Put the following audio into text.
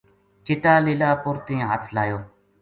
چٹا لیلا اپر تیں ہتھ لایو